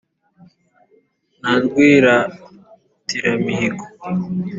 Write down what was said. Na Rwiratiramihigo